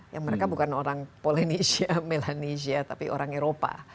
ya mereka bukan orang polenisia melanesia tapi orang eropa